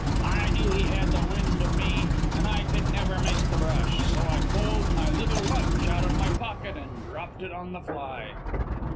I knew he had the wind of me and I could never make the brush, so I pulled my little lunch out of my pocket and dropped it on the fly.